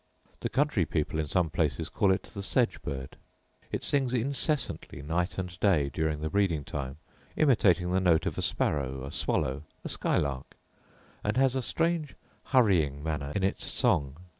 The country people in some places call it the sedge bird. It sings incessantly night and day during the breeding time, imitating the note of a sparrow, a swallow, a sky lark; and has a strange hurrying manner in its song.